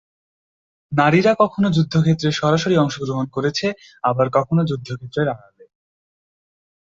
নারীরা কখনো যুদ্ধক্ষেত্রে সরাসরি অংশগ্রহণ করেছে আবার কখনো যুদ্ধেক্ষেত্রের আড়ালে।